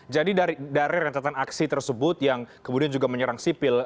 jadi dari rencetan aksi tersebut yang kemudian juga menyerang sipil